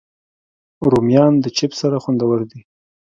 رومیان د چپس سره خوندور دي